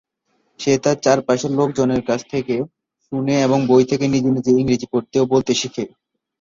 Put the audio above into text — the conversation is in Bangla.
সে তার চারপাশের লোকজনের কাছ থেকে শুনে এবং বই থেকে নিজে নিজে ইংরেজি পড়তে ও বলতে শিখে।